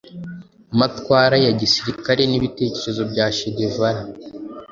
amatwara ya gisirikare n’ibitekerezo bya che guevara